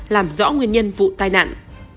làm rõ nguyên nhân vụ tai nạn